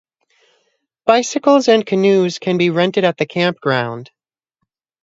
Bicycles and canoes can be rented at the campground.